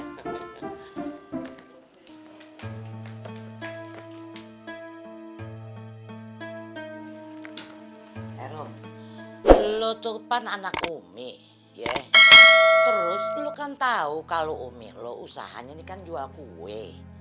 eh rom lo tuh kan anak umi ye terus lo kan tau kalo umi lo usahanya nih kan jual kue